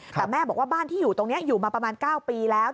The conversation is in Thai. แต่แม่บอกว่าบ้านที่อยู่ตรงนี้อยู่มาประมาณ๙ปีแล้ว